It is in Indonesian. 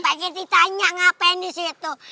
pak giti tanya ngapain di situ